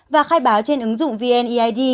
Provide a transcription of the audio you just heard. và khai báo trên ứng dụng vneid